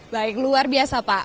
baik luar biasa pak